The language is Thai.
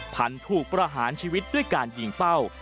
พันธุ์ถูกประหารชีวิตด้วยการยิงเป้า